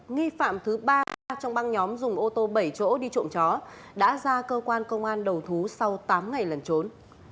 nghi phạm thứ ba trong băng nhóm dùng ô tô bảy chỗ đi trộm chó đã ra cơ quan công an đầu thú sau tám ngày lần trốn